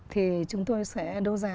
thì chúng tôi sẽ đô giá